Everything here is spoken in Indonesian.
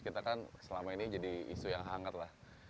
kita kan selama ini jadi isu yang hangat lah